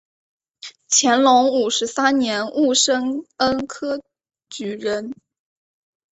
乾隆五十三年戊申恩科举人。